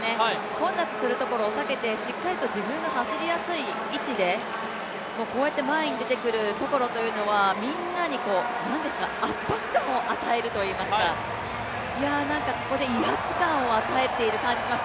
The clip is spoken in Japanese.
混雑するところを避けてしっかりと自分の走りやすい位置でこうやって前に出てくるところというのは、みんなに圧迫感を与えるといいますか、ここで威圧感を与えている感じがします。